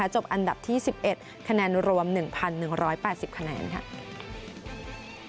จบอันดับที่๑๑คะแนนรวม๑๑๘๐คะแนนค่ะ